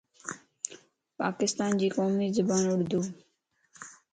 پاڪستانَ جي قومي زبان اردو ءَ.